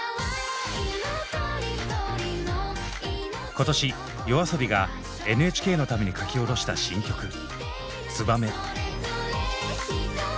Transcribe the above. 今年ＹＯＡＳＯＢＩがＮＨＫのために書き下ろした新曲「ツバメ」。